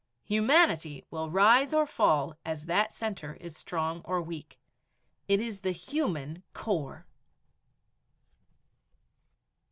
Humanity will rise or fall as that center is strong or weak. It is the human core.